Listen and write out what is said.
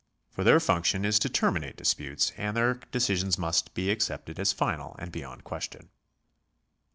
For their function is to terminate disputes, and their decisions must be accepted as final and beyond question.